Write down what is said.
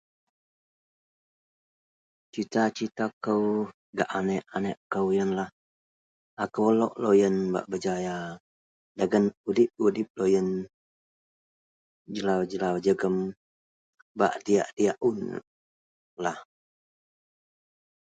Cita-cita kou gak aneak-aneakkou yenlah. Akou lok loyen bak berjaya dagen udip-udip loyen jelau-jelau jegem bak diyak-diyak unlah.